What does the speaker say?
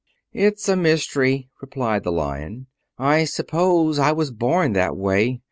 "It's a mystery," replied the Lion. "I suppose I was born that way.